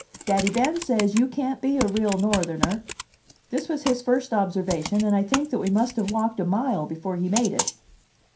"Daddy Ben says you can't be a real Northerner." This was his first observation, and I think that we must have walked a mile before he made it.